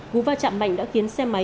vụ va chạm mạnh đã khiến xe máy